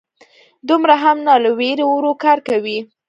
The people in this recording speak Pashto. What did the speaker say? _دومره هم نه، له وېرې ورو کار کوي.